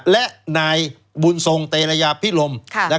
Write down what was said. และนายบุญทรงเตรยาพิรม